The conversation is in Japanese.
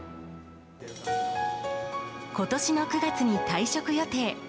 ことしの９月に退職予定。